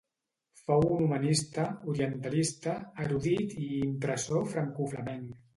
Fou un humanista, orientalista, erudit i impressor francoflamenc.